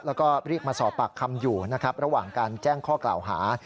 แล้วก็เรียกมาสอบปากคำอยู่นะครับระหว่างการแจ้งข้อกล่าวหา